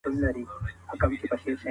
بد فکر تل غلط لوری ښيي